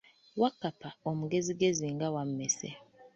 Wakkapa omugezigezi nga wammese.